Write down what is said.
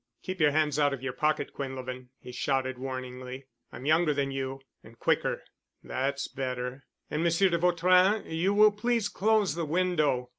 "Keep your hands out of your pockets, Quinlevin," he shouted warningly. "I'm younger than you—and quicker. That's better. And Monsieur de Vautrin, you will please close the window.